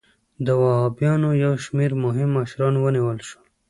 د وهابیانو یو شمېر مهم مشران ونیول شول.